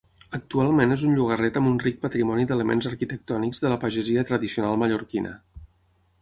Actualment és un llogaret amb un ric patrimoni d'elements arquitectònics de la pagesia tradicional mallorquina.